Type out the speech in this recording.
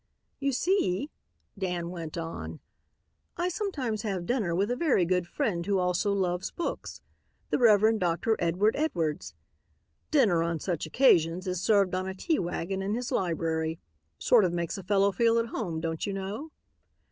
"You see," Dan went on, "I sometimes have dinner with a very good friend who also loves books the Reverend Dr. Edward Edwards. Dinner, on such occasions, is served on a tea wagon in his library; sort of makes a fellow feel at home, don't you know?